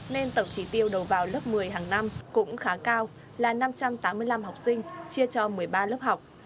nên tổng trí tiêu đầu vào lớp một mươi hàng năm cũng khá cao là năm trăm tám mươi năm học sinh chia cho một mươi ba lớp học